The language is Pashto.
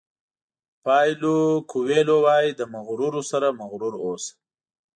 پایلو کویلو وایي د مغرورو سره مغرور اوسه.